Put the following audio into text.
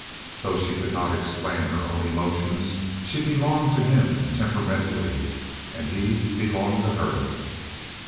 Though she could not explain her own emotions, she belonged to him temperamentally and he belonged to her.